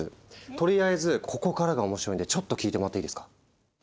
とりあえずここからが面白いんでちょっと聞いてもらっていいですか。